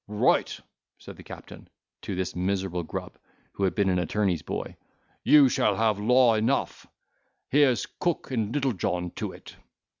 "Right," said the captain to this miserable grub, who had been an attorney's boy, "you shall have law enough: here's Cook and Littlejohn to it."